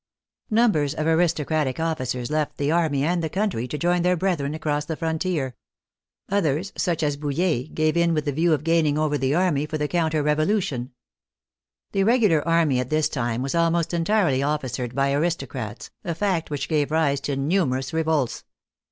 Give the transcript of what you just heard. Numbers of aristocratic officers left the army and the country to join their brethren across the frontier. Others, such as Bouille, gave in with the view of gaining over the army for the counter Revolution. The regular army at this time was almost entirely officered by aristocrats, a fact which gave rise to numerous revolts.